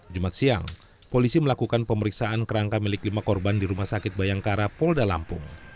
jumat siang polisi melakukan pemeriksaan kerangka milik lima korban di rumah sakit bayangkara polda lampung